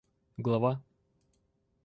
глава